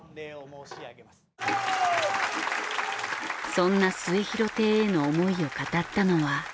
そんな『末廣亭』への思いを語ったのは。